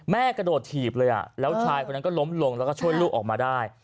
กระโดดถีบเลยแล้วชายคนนั้นก็ล้มลงแล้วก็ช่วยลูกออกมาได้